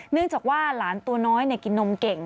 เนื่องจากว่าหลานตัวน้อยกินนมเก่ง